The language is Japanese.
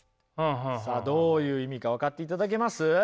さあどういう意味か分かっていただけます？